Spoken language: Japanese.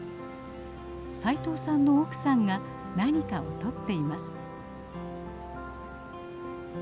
斉藤さんの奥さんが何かをとっています。